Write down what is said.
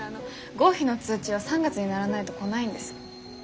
合否の通知は３月にならないと来ないんです。